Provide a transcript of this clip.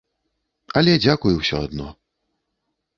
Але дзякуй усё адно.